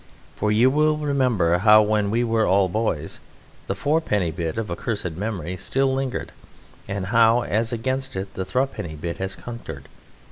For you will remember how when we were all boys the fourpenny bit of accursed memory still lingered, and how as against it the thruppenny bit has conquered.